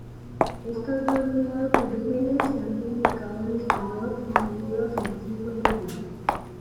Estos dos nuevos volúmenes se han publicado en español divididos en cinco libros.